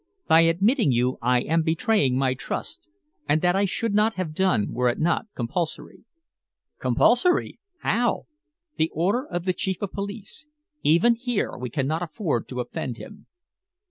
"By admitting you I am betraying my trust, and that I should not have done were it not compulsory." "Compulsory! How?" "The order of the Chief of Police. Even here, we cannot afford to offend him."